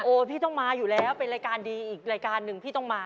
พี่ต้องมาอยู่แล้วเป็นรายการดีอีกรายการหนึ่งพี่ต้องมา